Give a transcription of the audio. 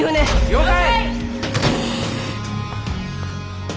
了解！